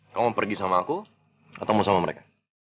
kamu pergi sama aku atau mau sama mereka